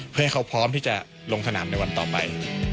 เพื่อให้เขาพร้อมที่จะลงสนามในวันต่อไป